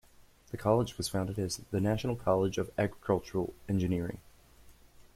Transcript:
The college was founded as the National College of Agricultural Engineering.